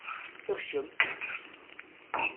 Ekcem!